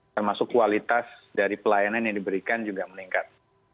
termasuk kualitas dari pelayanan yang diberikan juga meningkat